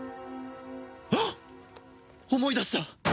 はっ！思い出した！